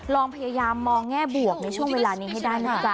ลองพยายามมองแง่บวกในช่วงเวลานี้ให้ได้นะจ๊ะ